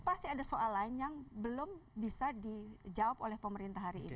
pasti ada soal lain yang belum bisa dijawab oleh pemerintah hari ini